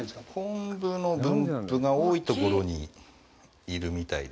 昆布の分布が多いところにいるみたいで。